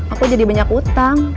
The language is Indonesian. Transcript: aku jadi banyak utang